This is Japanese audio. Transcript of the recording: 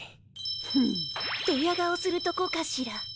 フン！ドヤ顔するとこかしら。